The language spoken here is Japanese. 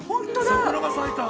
桜が咲いた！